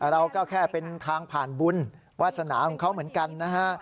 เราก็แค่เป็นทางผ่านบุญวาสนาของเขาเหมือนกันนะฮะ